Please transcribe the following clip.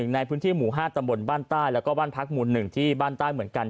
ในพื้นที่หมู่๕ตำบลบ้านใต้แล้วก็บ้านพักหมู่๑ที่บ้านใต้เหมือนกัน